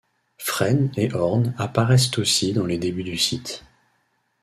Frêne et orme apparaissent aussi dans les débuts du site.